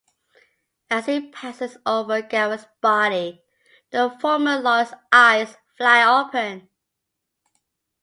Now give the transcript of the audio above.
As he passes over Gavin's body, the former lawyer's eyes fly open.